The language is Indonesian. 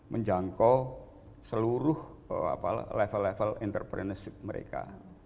menjangkau seluruh level level entrepreneurship mereka